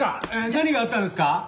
何があったんですか？